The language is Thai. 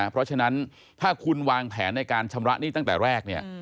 เพราะฉะนั้นถ้าคุณวางแผนในการชำระหนี้ตั้งแต่แรกเนี่ย